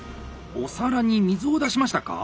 お皿に水を出しましたか？